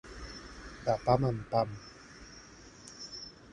De pam en pam.